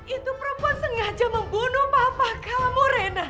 itu perempuan sengaja membunuh bapak kamu rena